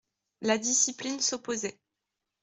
La discipline s'opposait.